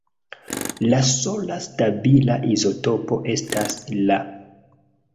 La sola stabila izotopo estas La.